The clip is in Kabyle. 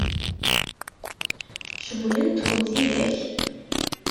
Cewwlent-ken tidak?